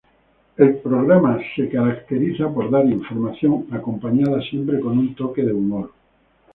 El programa se caracteriza por dar información acompañada siempre con un toque de humor.